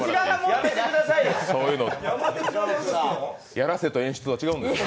やらせと演出は違うんですよ。